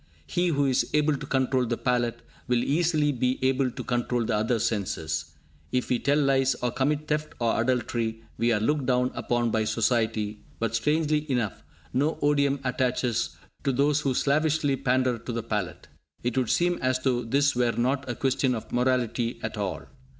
He who is able to control the palate, will easily be able to control the other senses. If we tell lies, or commit theft or adultery, we are looked down upon by society, but, strangely enough, no odium attaches to those who slavishly pander to the palate! It would seem as though this were not a question of morality at all!